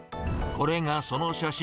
これがその写真。